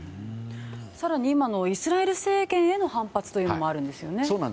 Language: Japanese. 更に今のイスラエル政権への反発もあるんですね。